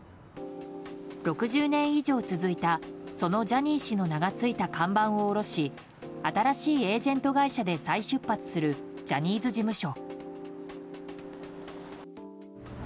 ６０年以上続いたそのジャニー氏の名がついた看板を下ろし新しいエージェント会社で再出発するジャニーズ事務所。